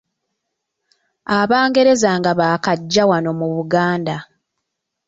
Abangereza nga baakajja wano mu Buganda